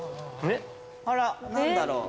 あら何だろう。